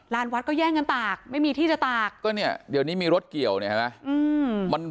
วัดก็แย่งกันตากไม่มีที่จะตากก็เนี่ยเดี๋ยวนี้มีรถเกี่ยวเนี่ยเห็นไหม